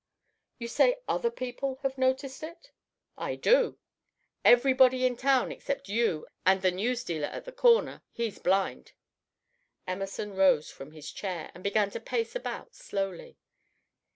"You say other people have noticed it?" "I do! Everybody in town except you and the news dealer at the corner he's blind." Emerson rose from his chair, and began to pace about slowly.